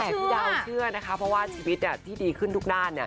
แต่พี่ดาวเชื่อนะคะเพราะว่าชีวิตที่ดีขึ้นทุกด้าน